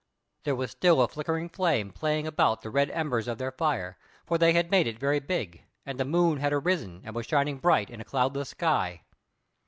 There was still a flickering flame playing about the red embers of their fire, for they had made it very big; and the moon had arisen and was shining bright in a cloudless sky.